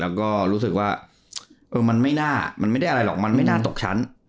แล้วก็รู้สึกว่าเออมันไม่น่ามันไม่ได้อะไรหรอกมันไม่น่าตกชั้น